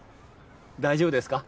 大丈夫ですか？